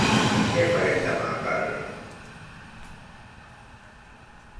Què farem demà per??